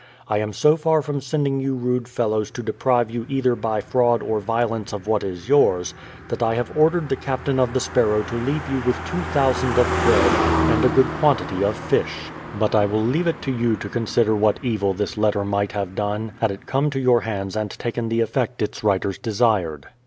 ... I am so far from sending you rude fellows to deprive you either by fraud or violence of what is yours, that I have ordered the captain of the Sparrow to leave with you 2000 of bread, and a good quantity of fish.* ... But I will leave it to 3 ou to consider what evil this letter might have done, had it come to your hands and taken the effect its writers desired.